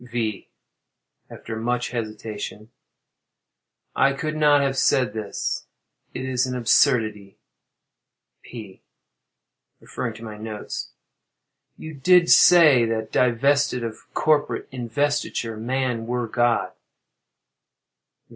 V. [After much hesitation.] I could not have said this; it is an absurdity. P. [Referring to my notes.] You did say that "divested of corporate investiture man were God."